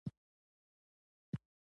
د نوروز شاه برج رشید خان سکروټه ایره نه کړه.